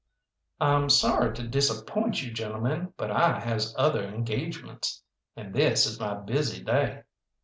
"I'm sorry to disappoint you, gentlemen, but I has other engagements, and this is my busy day."